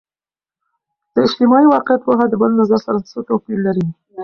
د اجتماعي واقعیت پوهه د بل نظر سره څه توپیر لري؟